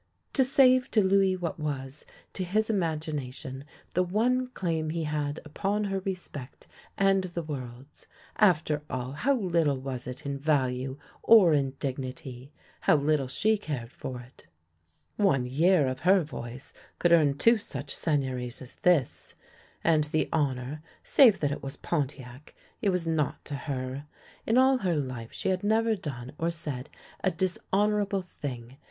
To save to Louis what was, to his imagination, the one claim he had upon her respect and the world's. After all, how little was it in value or in dignity! How little she cared for it! One year of her voice could earn two such Seigneuries as this. And the honour — save that it was Pontiac — it was naught to her. In all her life she had never done or said a dishonourable thing.